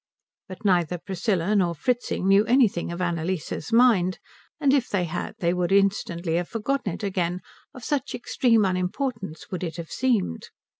But neither Priscilla nor Fritzing knew anything of Annalise's mind, and if they had they would instantly have forgotten it again, of such extreme unimportance would it have seemed.